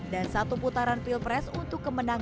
dan satu putaran pilpres untuk kemenangan